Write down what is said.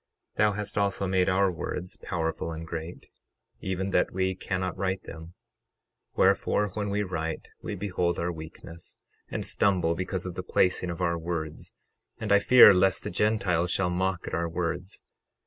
12:25 Thou hast also made our words powerful and great, even that we cannot write them; wherefore, when we write we behold our weakness, and stumble because of the placing of our words; and I fear lest the Gentiles shall mock at our words.